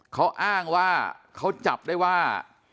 เขาอ้างว่าเขาจับได้ว่า